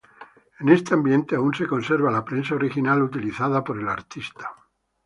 En este ambiente aún se conserva la prensa original utilizada por el artista.